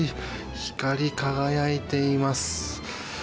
光り輝いています。